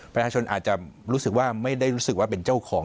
ประชาชนอาจจะรู้สึกว่าไม่ได้รู้สึกว่าเป็นเจ้าของ